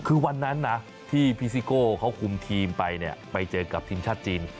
คือวันนั้นนะที่พี่ซิโก้เขาคุมทีมไปเนี่ยไปเจอกับทีมชาติจีน